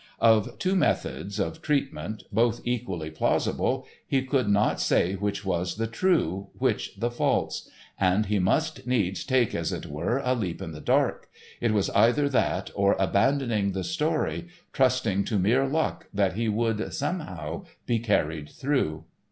Of two methods of treatment, both equally plausible, he could not say which was the true, which the false; and he must needs take, as it were, a leap in the dark—it was either that or abandoning the story, trusting to mere luck that he would, somehow, be carried through.